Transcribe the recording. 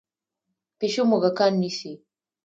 پیشو موږکان نیسي.